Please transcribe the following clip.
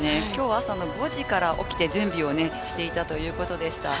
今日、朝５時から起きて準備をしていたということでした。